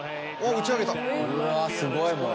うわすごいもう。